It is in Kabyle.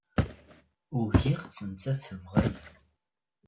Ugiɣ-tt, nettat tebɣa-iyi